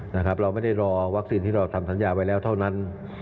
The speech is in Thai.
เราไม่ได้รอวัคซีนที่เราทำสัญญาไว้แล้วเท่านั้น